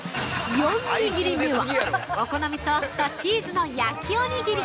◆４握り目は、お好みソースとチーズの焼きおにぎり。